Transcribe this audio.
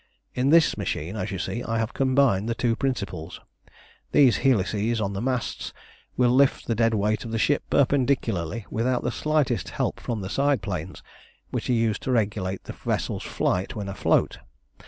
"In this machine, as you see, I have combined the two principles. These helices on the masts will lift the dead weight of the ship perpendicularly without the slightest help from the side planes, which are used to regulate the vessel's flight when afloat.